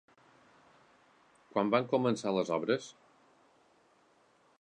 Quan van començar les obres?